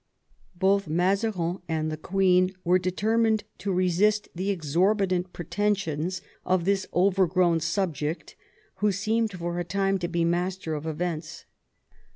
Both Mazarin and the queen were determined to resist the exorbitant pretensions of this overgrown subject, who seemed for a time to be master of events.